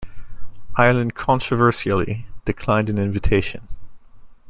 Ireland controversially declined an invitation.